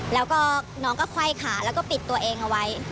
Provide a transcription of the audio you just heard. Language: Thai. แล้วก็น้องก็ไขว้ขาแล้วก็ปิดตัวเองเอาไว้